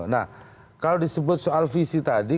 nah kalau disebut soal visi tadi